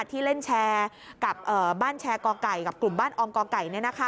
ที่เล่นแชร์กับบ้านแชร์ก่อไก่กับกลุ่มบ้านออมกไก่